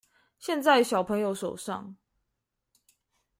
現在小朋友手上